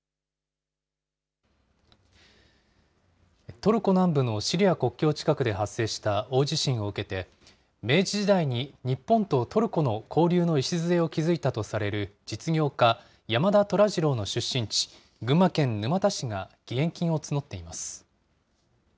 トルコ南部のシリア国境近くで発生した大地震を受けて、明治時代に日本とトルコの交流の礎を築いたとされる実業家、山田寅次郎の出身地、群馬県沼田市が義援金を募っています。